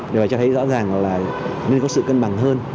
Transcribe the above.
để phải cho thấy rõ ràng là nên có sự cân bằng hơn